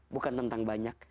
bukan tentang banyak